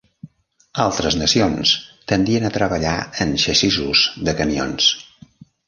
Altres nacions tendien a treballar en xassissos de camions.